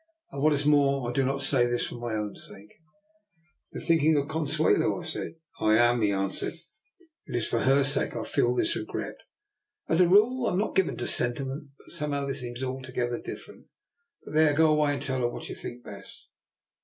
And what is more, I do not say this for my own sake.'' " You are thinking of Consuelo," I said. " I am," he answered. " It is for her sake I feel this regret. As a rule, I am not given to sentiment, but somehow this seems alto gether different. But there, go away and tell her what you think best."